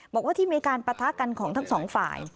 บอกว่าที่มีการปะทะกันของทั้งสองฝ่าย